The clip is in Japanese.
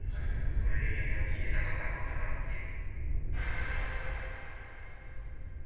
それが切れたか絡まったかっていう。